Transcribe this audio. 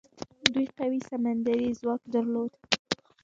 دوی قوي سمندري ځواک درلود.